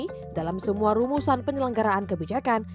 untuk mengembangkan semua rumusan penyelenggaraan kebijakan